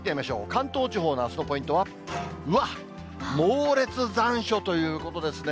関東地方のあすのポイントは、うわっ、モーレツ残暑ということですね。